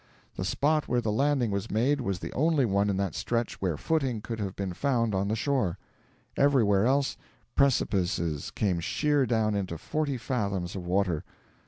The spot where the landing was made was the only one in that stretch where footing could have been found on the shore; everywhere else precipices came sheer down into forty fathoms of water.